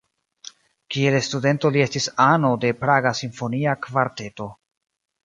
Kiel studento li estis ano de Praga simfonia kvarteto.